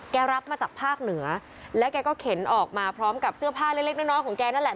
รับมาจากภาคเหนือแล้วแกก็เข็นออกมาพร้อมกับเสื้อผ้าเล็กเล็กน้อยของแกนั่นแหละ